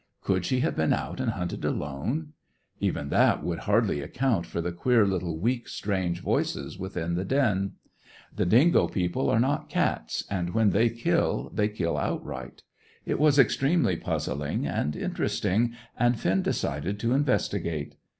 Could she have been out and hunted alone? Even that would hardly account for the queer little, weak, strange voices within the den. The dingo people are not cats, and when they kill they kill outright. It was extremely puzzling and interesting, and Finn decided to investigate.